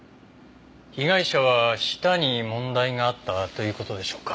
被害者は舌に問題があったという事でしょうか？